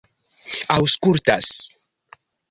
aŭskultas